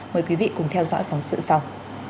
mời quý vị cùng theo dõi phóng sự sau